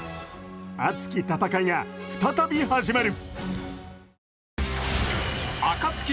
熱き戦いが再び始まる。